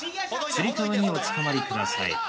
つり革におつかまりください。